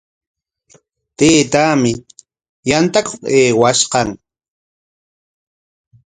Taytaami yantakuq aywaykan.